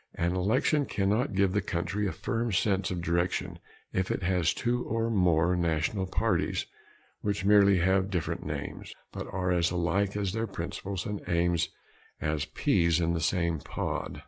An election cannot give the country a firm sense of direction if it has two or more national parties which merely have different names but are as alike in their principles and aims as peas in the same pod.